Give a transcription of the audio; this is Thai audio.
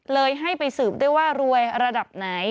เลยให้ไปสืบได้ว่ารวยระดับไหน